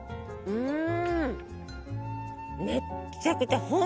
うん。